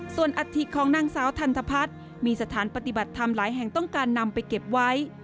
ส่วนอัฐิของนางสาวทันทพัฒน์มีสถานปฏิบัติธรรมหลายแห่งต้องการนำไปเก็บไว้